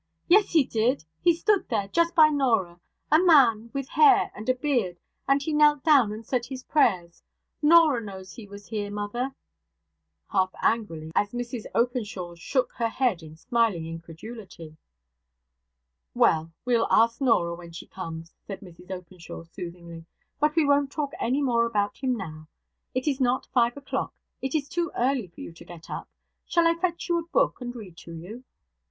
'Yes, he did. He stood there. Just by Norah. A man with hair and a beard. And he knelt down and said his prayers. Norah knows he was here, mother' (half angrily, as Mrs Openshaw shook her head in smiling incredulity). 'Well! we will ask Norah when she comes,' said Mrs Openshaw, soothingly. 'But we won't talk any more about him now. It is not five o'clock; it is too early for you to get up. Shall I fetch you a book and read to you?'